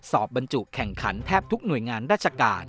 บรรจุแข่งขันแทบทุกหน่วยงานราชการ